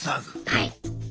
はい。